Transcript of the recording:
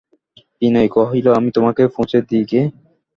বিনয় কহিল, আমি তোমাকে পৌঁছে দিই গে।